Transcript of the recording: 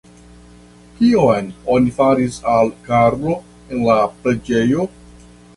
Kion oni faris al Karlo en la preĝejo?